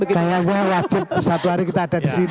kayaknya gue wajib satu hari kita ada di sini